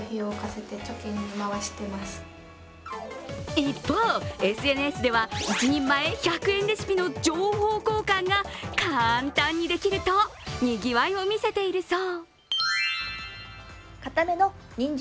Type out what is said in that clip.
一方、ＳＮＳでは１人前１００円レシピの情報交換が簡単にできると、にぎわいを見せているそう。